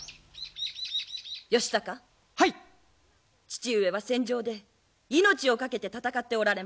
父上は戦場で命を懸けて戦っておられます。